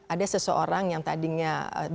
ada seseorang yang tadi ngelakuinnya